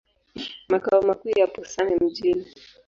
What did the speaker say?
Makao makuu yapo Same Mjini.